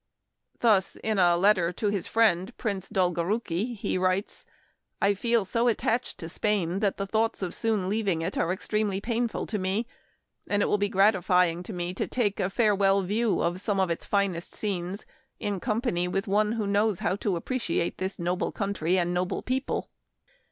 Thus, in a letter to his friend, Prince Dolgorouki, he writes, " I feel so attached to Spain that the thoughts of soon leaving it are extremely painful to me ; and it will be gratifying to me to take a fare well view of some of its finest scenes in com pany with one who knows how to appreciate this noble country and noble people."